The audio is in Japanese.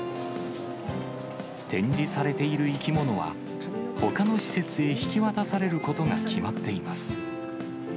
展示されている生き物は、ほかの施設へ引き渡されることが決まっています。